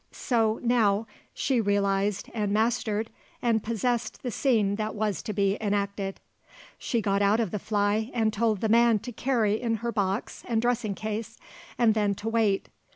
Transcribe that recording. So, now, she realized and mastered and possessed the scene that was to be enacted. She got out of the fly and told the man to carry in her box and dressing case and then to wait.